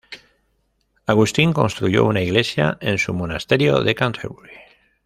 Agustín construyó una iglesia en su monasterio de Canterbury.